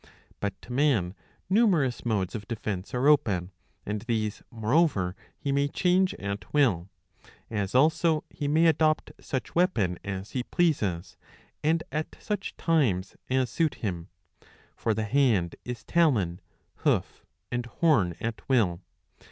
But to man numerous modes of defence are open, and these moreover he may .change at will ; as also he may adopt such weapon as he pleases, and at such times as suit him. For the hand is talon, hoof, and horn, at will.